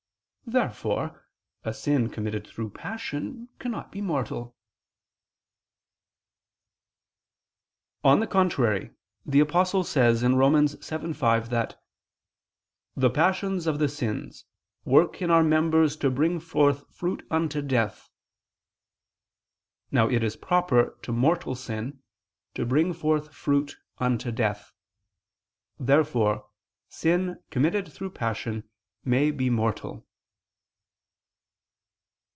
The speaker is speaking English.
Therefore a sin committed through passion cannot be mortal. On the contrary, The Apostle says (Rom. 7:5) that "the passions of the sins ... work [Vulg.: 'did work'] in our members to bring forth fruit unto death." Now it is proper to mortal sin to bring forth fruit unto death. Therefore sin committed through passion may be mortal.